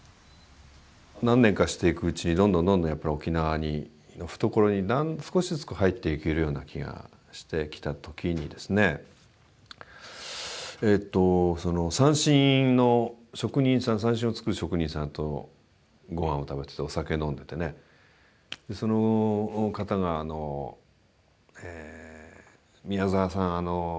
何年かしていくうちにどんどんどんどんやっぱり沖縄に懐に少しずつ入っていけるような気がしてきた時にですね三線の職人さん三線を作る職人さんとご飯を食べててお酒飲んでてねその方が「宮沢さん『島唄』っていう歌を作ってくれてありがとう」と。